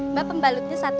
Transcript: mbak pembalutnya satu ya